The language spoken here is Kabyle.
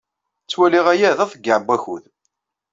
Ttwaliɣ aya d aḍeyyeɛ n wakud.